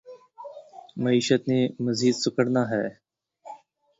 معیشت نے مزید سکڑنا ہے۔